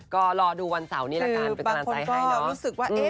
ก็รอดูวันเสาร์นี้ล่ะกันเป็นกำลังใจให้